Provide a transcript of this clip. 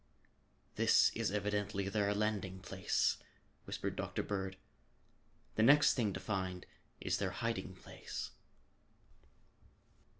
"This is evidently their landing place," whispered Dr. Bird. "The next thing to find is their hiding place."